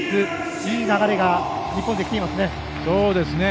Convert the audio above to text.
いい流れが日本、きてます。